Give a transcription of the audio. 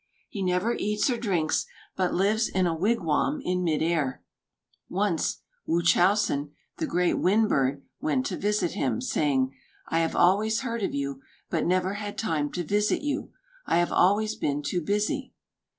He never eats or drinks, but lives in a wigwam in mid air. Once Wūchowsen, the great Wind Bird, went to visit him, saying: "I have always heard of you, but never had time to visit you; I have always been too busy."